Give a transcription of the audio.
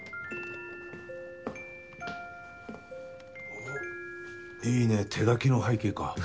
おいいね手描きの背景か。